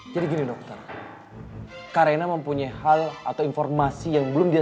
jadi gini dokter kak reyna mempunyai hal atau informasi yang belum dia